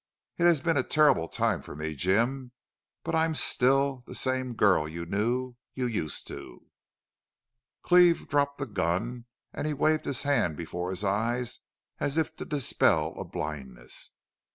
It has been a terrible time for me, Jim, but I'm still the same girl you knew you used to " Cleve dropped the gun and he waved his hand before his eyes as if to dispel a blindness.